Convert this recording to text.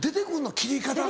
切り方が。